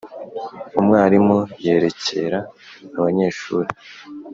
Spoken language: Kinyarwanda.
umwarimu yerekera abanyeshuri,